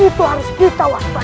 itu harus kita waspadah